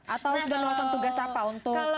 atau sudah melakukan tugas apa untuk perang ini